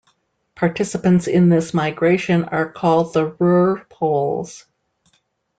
Participants in this migration are called the Ruhr Poles.